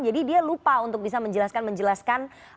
jadi dia lupa untuk bisa menjelaskan menjelaskan